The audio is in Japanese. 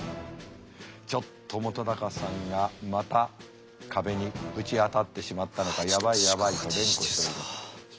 ちょっと本さんがまた壁にぶち当たってしまったのか「やばいやばい」と連呼しております。